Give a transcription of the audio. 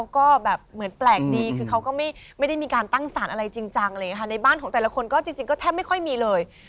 ก็แบบเหมือนแปลกดีคือเขาก็ไม่ได้มีการตั้งสารอะไรจริงจังอะไรอย่างนี้ค่ะในบ้านของแต่ละคนก็จริงก็แทบไม่ค่อยมีเลย